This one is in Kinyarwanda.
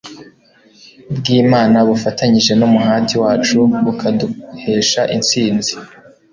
bwImana bufatanyije numuhati wacu bukaduhesha intsinzi